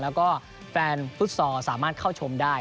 แล้วก็แฟนฟุตซอลสามารถเข้าชมได้